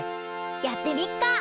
やってみっか。